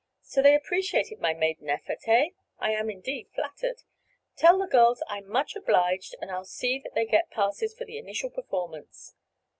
"So they appreciated my maiden effort, eh? I am indeed flattered! Tell the girls I'm much obliged and I'll see that they get passes for the initial performance.